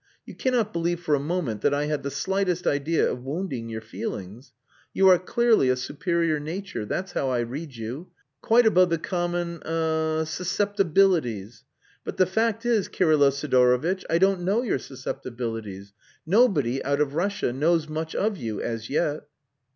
You cannot believe for a moment that I had the slightest idea of wounding your feelings. You are clearly a superior nature that's how I read you. Quite above the common h'm susceptibilities. But the fact is, Kirylo Sidorovitch, I don't know your susceptibilities. Nobody, out of Russia, knows much of you as yet!"